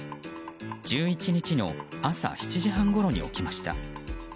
１１日の朝７時半ごろに起きました。